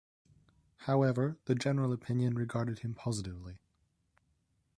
However the general opinion regarded him positively.